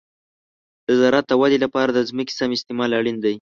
د زراعت د ودې لپاره د ځمکې سم استعمال اړین دی.